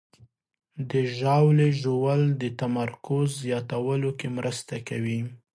د ژاولې ژوول د تمرکز زیاتولو کې مرسته کوي.